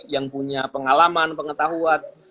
yang punya pengalaman pengetahuan